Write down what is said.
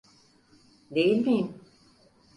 Değil miyim?